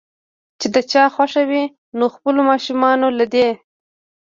چې د چا خوښه وي نو خپلو ماشومانو له دې